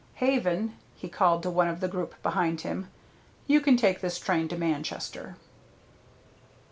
Haven," he called to one of the group behind him, "you can take this train to Manchester."